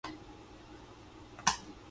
東京都足立区